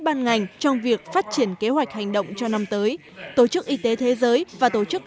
ban ngành trong việc phát triển kế hoạch hành động cho năm tới tổ chức y tế thế giới và tổ chức